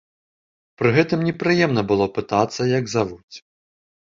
Пры гэтым непрыемна было пытацца як завуць.